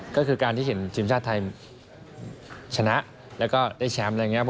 ก็คือการที่ทีมชาติไทยชนะแล้วก็ได้แชมป์